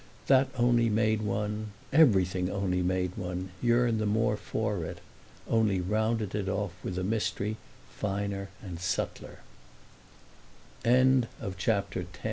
That only made one—everything only made one—yearn the more for it; only rounded it off with a mystery finer and subtler. CHAPTER XI.